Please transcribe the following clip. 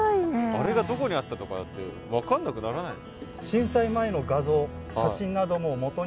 あれがどこにあったとかって分かんなくならないの？